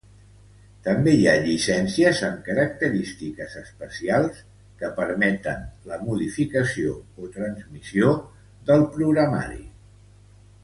També hi ha llicències amb característiques especials, que permeten la modificació o transmissió del programari.